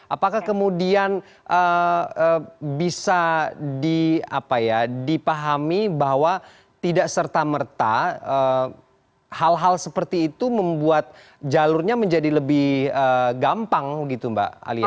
apakah kemudian bisa dipahami bahwa tidak serta merta hal hal seperti itu membuat jalurnya menjadi lebih gampang gitu mbak alia